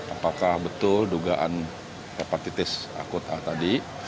apakah betul dugaan hepatitis akut a tadi